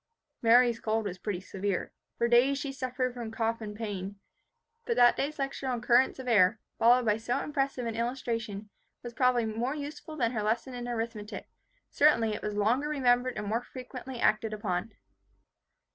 Mary's cold was pretty severe. For days she suffered from cough and pain. But that day's lecture on currents of air, followed by so impressive an illustration, was probably more useful than her lesson in arithmetic; certainly it was longer remembered and more frequently acted upon.